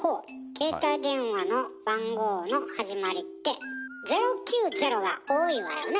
携帯電話の番号の始まりって「０９０」が多いわよね。